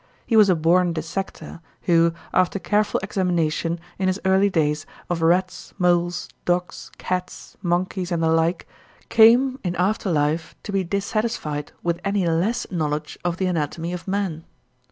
He was a born dissector, who, after careful examination, in his early days, of rats, moles, dogs, cats, monkeys, and the like, came, in after life, to be dissatisfied with any less knowledge of the anatomy of man.